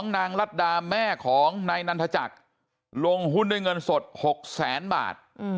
นางรัฐดาแม่ของนายนันทจักรลงหุ้นด้วยเงินสด๖แสนบาท